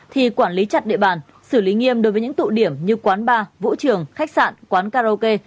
thì quản lý chặt địa bàn xử lý nghiêm đối với những tụ điểm như quán bar vũ trường khách sạn quán karaoke